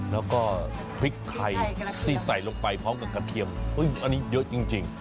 แล้วก็พริกไทยที่ใส่ลงไปพร้อมกับกระเทียมอันนี้เยอะจริง